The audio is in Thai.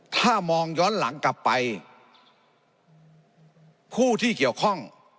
ถ้ามองย้อนหลังกลับไปผู้ที่เกี่ยวข้อง